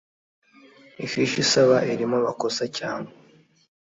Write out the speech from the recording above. ifishi isaba irimo amakosa cyangwa